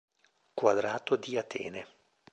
Quadrato di Atene